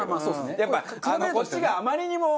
やっぱこっちがあまりにも。